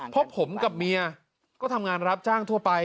เพราะผมกับเมียก็ทำงานรับจ้างทั่วไป